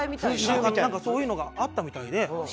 なんかそういうのがあったみたいで。